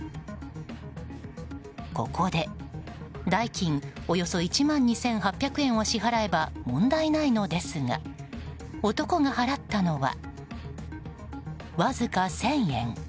ここで代金およそ１万２８００円を支払えば、問題ないのですが男が払ったのはわずか１０００円。